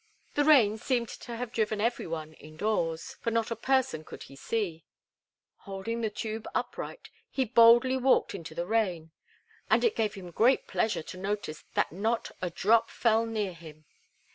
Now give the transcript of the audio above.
The rain seemed to have driven every one in doors, for not a person could he see. Holding the tube upright, he boldly walked into the rain; and it gave him great pleasure to notice that not a drop fell near him.